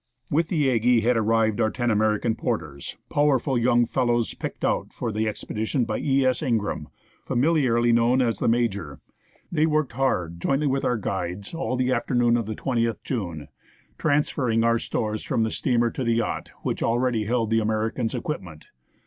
With the Aggie had arrived our ten American porters, powerful young fellows, picked out for the expedition by E. S. Ingraham, familiarly known as "The Major." They worked hard, jointly with our guides, all the afternoon of the 20th June, trans ferring our stores from the steamer to the yacht, which already held the Americans' equipment.